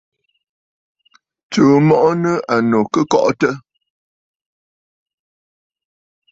Tsùu mɔʼɔ nɨ̂ ànnù kɨ kɔʼɔtə̂.